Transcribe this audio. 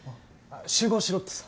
集合しろってさ。